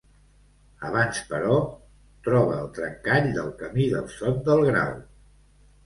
Abans, però, troba el trencall del Camí del Sot del Grau.